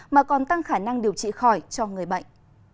mà còn tăng khả năng điều trị khỏi cho người bệnh